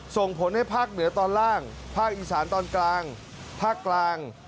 ส่งผลให้ภาคเหนือตอนล่างภาคอีสานตอนกลางภาคกลาง